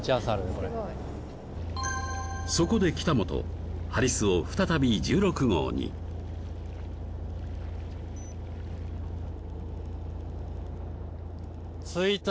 これすごいそこで北本ハリスを再び１６号についた！